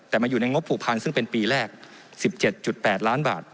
แต่มาอยู่ในงบผูกพันซึ่งเป็นปีแรก๑๗๘ล้านบาท